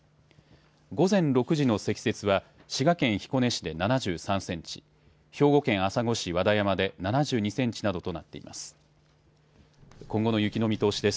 午前６時の積雪は滋賀県彦根市で７３センチ、兵庫県朝来市和田山で７２センチなどとなっています。